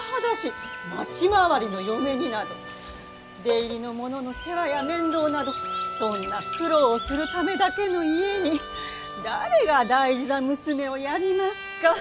出入りの者の世話や面倒などそんな苦労をするためだけの家に誰が大事な娘をやりますか。